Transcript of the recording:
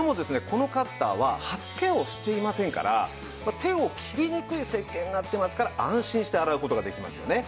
このカッターは刃付けをしていませんから手を切りにくい設計になってますから安心して洗う事ができますよね。